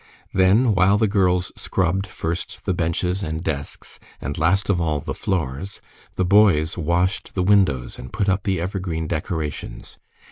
Then, while the girls scrubbed first the benches and desks, and last of all, the floors, the boys washed the windows and put up the evergreen decorations.